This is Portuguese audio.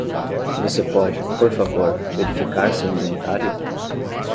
Você pode, por favor, verificar seu inventário?